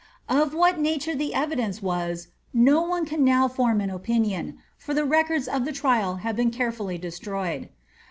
Of what nature the evidence was, no one can now form an opinioo, for the records of the trial have been carefully destroyed.'